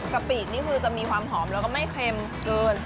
กรีนี่คือจะมีความหอมแล้วก็ไม่เค็มเกิน